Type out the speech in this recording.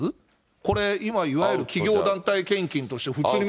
これ、今いわゆる企業団体献金として普通に。